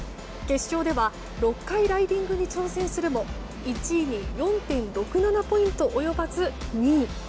決勝では６回、ライディングに挑戦するも１位に４．６７ポイント及ばず２位。